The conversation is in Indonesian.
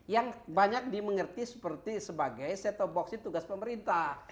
yang banyak dimengerti seperti sebagai set top box itu tugas pemerintah